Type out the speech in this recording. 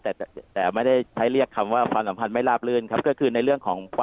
แต่แต่ไม่ได้ใช้เรียกคำว่าความสัมพันธ์ไม่ลาบลื่นครับก็คือในเรื่องของ